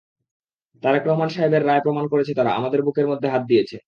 তারেক রহমান সাহেবের রায় প্রমাণ করেছে তারা আমাদের বুকের মধ্যে হাত দিয়েছে।